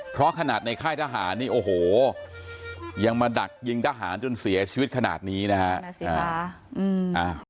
เพราะขนาดในค่ายทหารนี่โอ้โหยังมาดักยิงทหารจนเสียชีวิตขนาดนี้นะฮะ